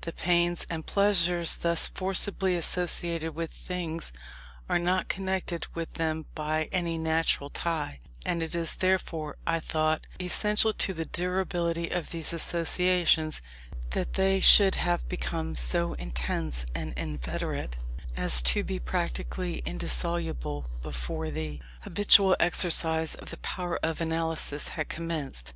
The pains and pleasures thus forcibly associated with things, are not connected with them by any natural tie; and it is therefore, I thought, essential to the durability of these associations, that they should have become so intense and inveterate as to be practically indissoluble, before the habitual exercise of the power of analysis had commenced.